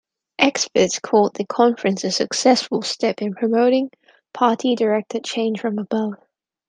Experts called the conference a successful step in promoting party-directed change from above.